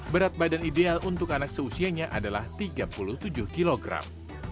berat badan ideal untuk anak seusianya adalah tiga puluh tujuh kilogram